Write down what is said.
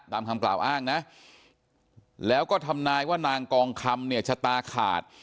ตามคำกล่าวอ้างนะแล้วก็ทำนายว่านางกองคำเนี่ยชะตาขาด